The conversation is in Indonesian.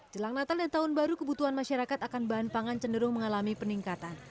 jelang natal dan tahun baru kebutuhan masyarakat akan bahan pangan cenderung mengalami peningkatan